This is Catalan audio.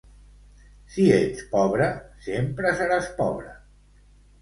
Si ets pobre, sempre seràs pobre.